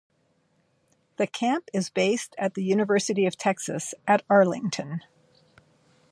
The camp is based at the University of Texas at Arlington.